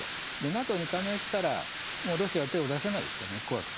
ＮＡＴＯに加盟したらロシアは手を出せませんから。